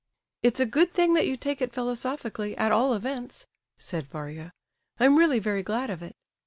"It's a good thing that you take it philosophically, at all events," said Varia. "I'm really very glad of it."